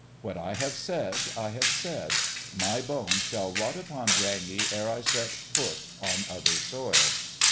What I have said, I have said. My bones shall rot upon Drangey ere I set foot on other soil."